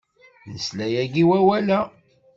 Nesla yagi i wawal-a.